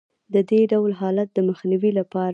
د دې ډول حالت د مخنیوي لپاره